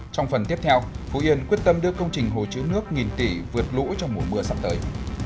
trong phần tiếp theo phú yên quyết tâm đưa công trình hồ chứa nước nghìn tỷ vượt lũ trong mùa mưa sắp tới